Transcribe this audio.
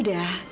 ya pak hou